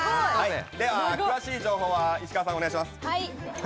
詳しい情報は、石川さん願いします。